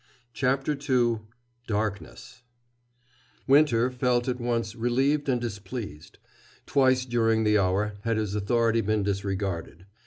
CHAPTER II DARKNESS Winter felt at once relieved and displeased. Twice during the hour had his authority been disregarded.